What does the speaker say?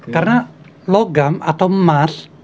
karena logam atau emas